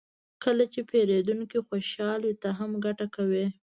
کله چې پیرودونکی خوشحال وي، ته هم ګټه کوې.